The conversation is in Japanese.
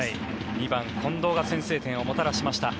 ２番、近藤が先制点をもたらしました。